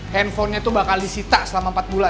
handphone nya tuh bakal disita selama empat bulan